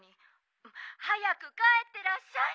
早くかえってらっしゃい」。